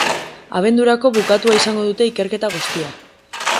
Abendurako bukatua izango dute ikerketa guztia.